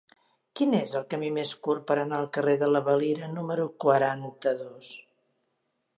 Quin és el camí més curt per anar al carrer de la Valira número quaranta-dos?